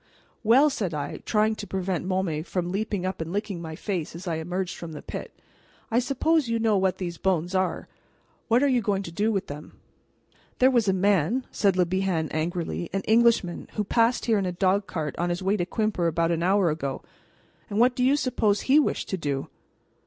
"Well," said I, trying to prevent Môme from leaping up and licking my face as I emerged from the pit, "I suppose you know what these bones are. What are you going to do with them?" "There was a man," said Le Bihan angrily, "an Englishman, who passed here in a dog cart on his way to Quimper about an hour ago, and what do you suppose he wished to do?"